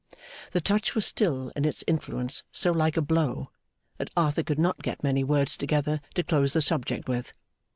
The touch was still in its influence so like a blow that Arthur could not get many words together to close the subject with.